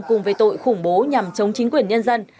cùng với tội khủng bố nhằm chống chính quyền nhân dân